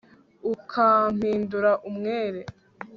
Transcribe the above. ukampindura umwere